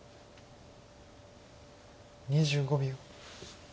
２５秒。